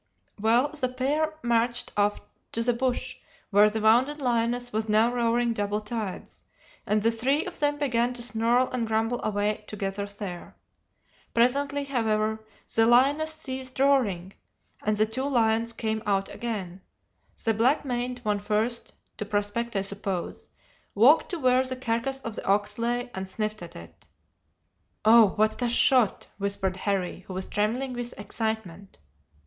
"Well, the pair marched off to the bush, where the wounded lioness was now roaring double tides, and the three of them began to snarl and grumble away together there. Presently, however, the lioness ceased roaring, and the two lions came out again, the black maned one first to prospect, I suppose walked to where the carcass of the ox lay, and sniffed at it. "'Oh, what a shot!' whispered Harry, who was trembling with excitement.